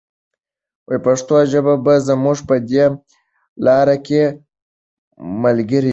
پښتو ژبه به زموږ په دې لاره کې ملګرې وي.